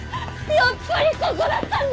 やっぱりここだったんだ！